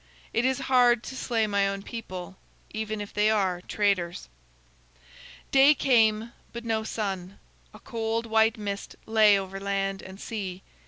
It is hard to slay my own people, even if they are traitors." Day came, but no sun. A cold white mist lay over land and sea.